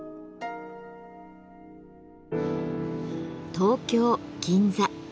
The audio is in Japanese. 東京・銀座